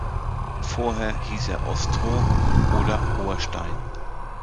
Vorher hieß er „Ostroh“ oder „Hoher Stein“.